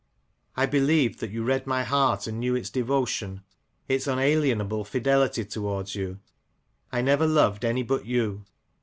I believed that you read my heart, and knew its devotion, its unalienable fidelity towards you. I never loved any but you.